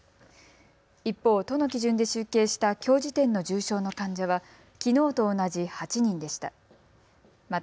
一方、都の基準で集計したきょう時点の重症の患者はきのうと同じ８人でした。